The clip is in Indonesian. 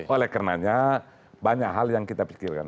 oleh karenanya banyak hal yang kita pikirkan